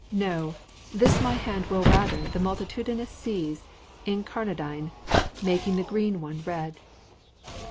No, this my hand will rather The multitudinous seas incarnadine, Making the green one red!